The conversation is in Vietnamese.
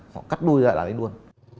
họ cắt đuôi ra lại lên luôn